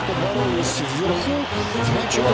aneh orang indonesia